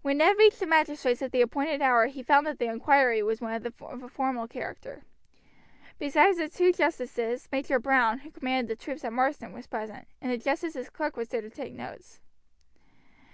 When Ned reached the magistrates at the appointed hour he found that the inquiry was of a formal character. Besides the two justices, Major Browne, who commanded the troops at Marsden, was present; and the justices' clerk was there to take notes.